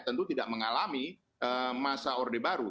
tentu tidak mengalami masa orde baru